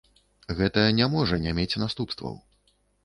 Гэта не можа не мець наступстваў.